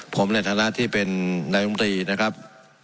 ผมในฐานะที่เป็นนายรมตรีนะครับ